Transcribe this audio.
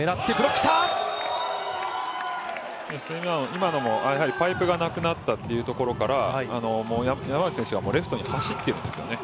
今のもパイプがなくなったというところから山内選手がレフトに走ってるんですよね。